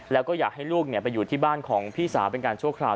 แล้วก็อยากให้ลูกไปอยู่ที่บ้านของพี่สาวเป็นการชั่วคราว